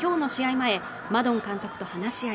前マドン監督と話し合い